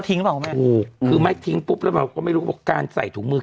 ทิ้งหรือเปล่าถูกคือไม่ทิ้งปุ๊บแล้วก็ไม่รู้ว่าการใส่ถุงมือ